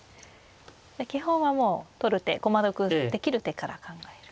基本はもう取る手駒得できる手から考える。